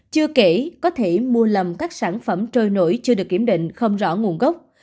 chưa kể có thể mua các sản phẩm trôi nổi chưa được kiểm định không rõ nguồn gốc